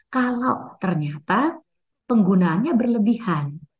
kalau ternyata penggunaannya berlebihan